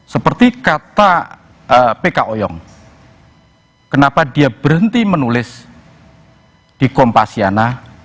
seperti kata p k ooyong kenapa dia berhenti menulis di kompasiana